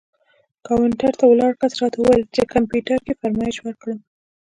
کاونټر ته ولاړ کس راته وویل چې کمپیوټر کې فرمایش ورکړم.